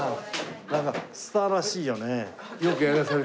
なんかスターらしいよね。